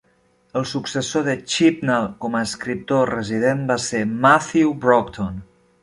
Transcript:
El successor de Chibnall com a escriptor resident va ser Matthew Broughton.